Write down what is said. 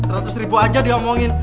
seratus ribu aja diomongin